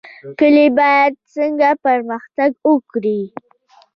کلي باید څنګه پرمختګ وکړي؟